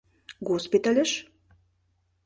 — Госпитальыш?..